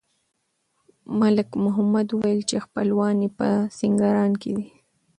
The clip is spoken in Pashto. ملک محمد وویل چې خپلوان یې په سینګران کې دي.